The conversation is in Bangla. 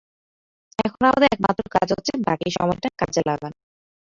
এখন আমাদের একমাত্র কাজ হচ্ছে বাকি সময়টা কাজে লাগানো।